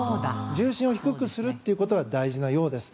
重心を低くするということが大事なようです。